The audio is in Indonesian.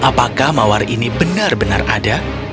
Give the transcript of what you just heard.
apakah mawar ini benar benar ada